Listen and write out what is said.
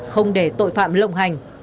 không để tội phạm lộng hành